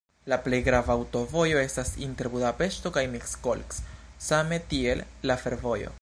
La plej grava aŭtovojo estas inter Budapeŝto kaj Miskolc, same tiel la fervojo.